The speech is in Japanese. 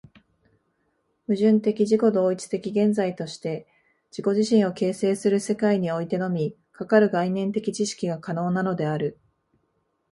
矛盾的自己同一的現在として自己自身を形成する世界においてのみ、かかる概念的知識が可能なのである。